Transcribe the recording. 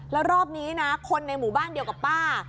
แล้วรอบนี้นะคนในหมู่บ้านเดียวกับป้า